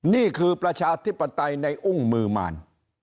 นี่คือประชาธิปไตยในอุ้งมือมาร